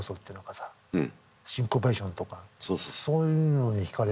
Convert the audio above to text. さシンコペーションとかそういうのに惹かれる。